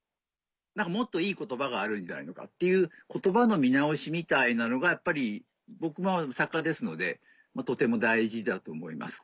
何かもっといい言葉があるんじゃないのかっていう言葉の見直しみたいなのがやっぱり僕も作家ですのでとても大事だと思います。